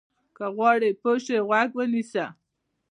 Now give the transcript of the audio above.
که غواړې پوه شې، غوږ ونیسه.